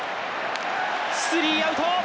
スリーアウト。